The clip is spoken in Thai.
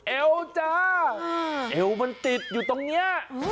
เอวจ้าเอวมันติดอยู่ตรงนี้